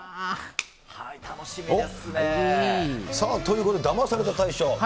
楽しみですね。ということで、ダマされた大賞。